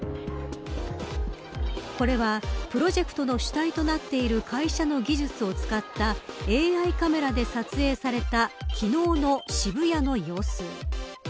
これはプロジェクトの主体となっている会社の技術を使ったＡＩカメラで撮影された昨日の渋谷の様子。